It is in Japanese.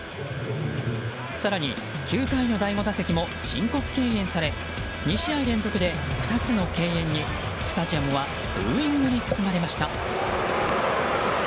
更に９回の第５打席も申告敬遠され２試合連続で、２つの敬遠にスタジアムはブーイングに包まれました。